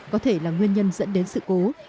có thể là nguyên nhân dẫn đến sự cố